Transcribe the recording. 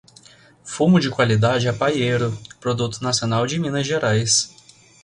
Fumo de qualidade é paiero, produto nacional de Minas Gerais